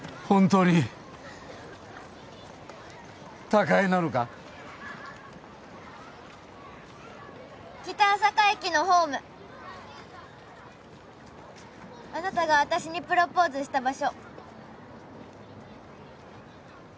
北朝霞駅のホームあなたが私にプロポーズした場所